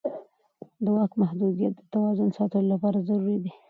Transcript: د واک محدودیت د توازن ساتلو لپاره ضروري دی